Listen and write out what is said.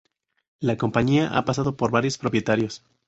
La compañía ha pasado por varios propietarios.